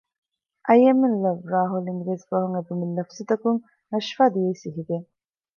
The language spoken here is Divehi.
އައި އެމް އިން ލަވް ރާހުލް އިނގިރޭސި ބަހުން އެ ބުނެލި ލަފްޒުތަކުން ނަޝްފާ ދިއައީ ސިހިގެން